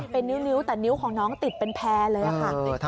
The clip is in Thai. เป็นนิ้วแต่นิ้วของน้องติดเป็นแพร่เลยค่ะ